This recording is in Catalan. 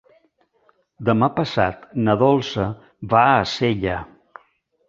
Demà passat na Dolça va a Sella.